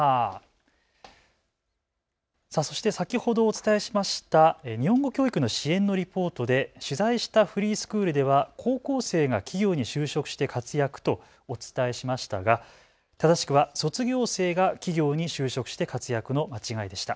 そして、先ほどお伝えしました日本語教育の支援のリポートで取材したフリースクールでは高校生が企業に就職して活躍とお伝えしましたが正しくは卒業生が企業に就職して活躍の間違いでした。